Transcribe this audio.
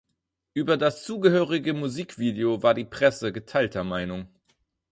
Über das zugehörige Musikvideo war die Presse geteilter Meinung.